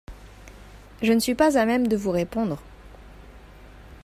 Je ne suis pas à même de vous répondre.